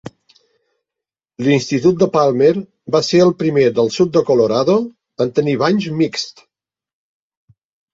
L'institut de Palmer va ser el primer del sud de Colorado en tenir banys mixts.